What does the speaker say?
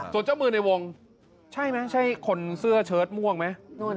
ส่วนเจ้ามือในวงใช่ไหมใช่คนเสื้อเชิดม่วงไหม